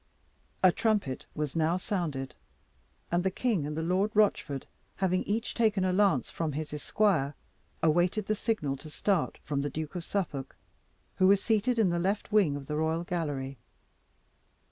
A trumpet was now sounded, and the king and the Lord Rochford having each taken a lance from his esquire, awaited the signal to start from the Duke of Suffolk, who was seated in the left wing of the royal gallery.